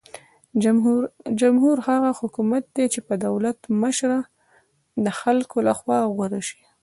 جمهور هغه حکومت دی چې د دولت مشره د خلکو لخوا غوره شي.